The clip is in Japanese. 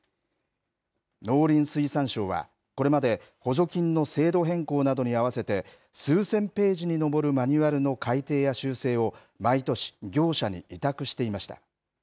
農林水産省はこれまで補助金の制度変更などに合わせて、数千ページに上るマニュアルの改訂や修正を、毎年業者に委託していました。